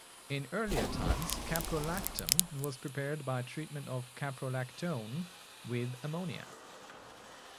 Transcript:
In earlier times, caprolactam was prepared by treatment of caprolactone with ammonia.